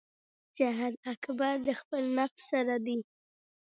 جهاد اکبر د خپل نفس سره دی .